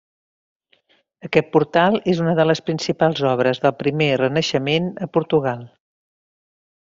Aquest portal és una de les principals obres del primer renaixement a Portugal.